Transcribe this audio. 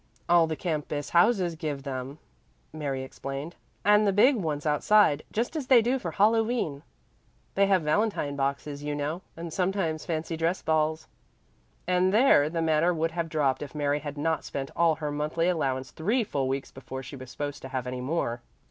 "All the campus houses give them," Mary explained, "and the big ones outside, just as they do for Hallowe'en. They have valentine boxes, you know, and sometimes fancy dress balls." And there the matter would have dropped if Mary had not spent all her monthly allowance three full weeks before she was supposed to have any more.